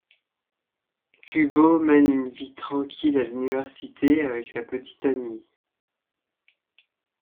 Kubo mène une vie tranquille à l'université, avec sa petite amie.